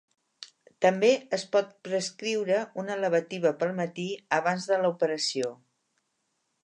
També es pot prescriure una lavativa pel matí, abans de la operació.